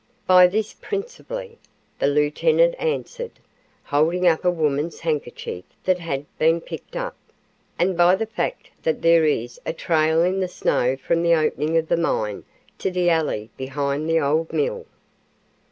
"By this principally," the lieutenant answered, holding up a woman's handkerchief that he had picked up; "and by the fact that there is a trail in the snow from the opening of the mine to the alley behind the old mill."